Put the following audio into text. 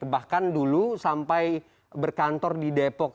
bahkan dulu sampai berkantor di depok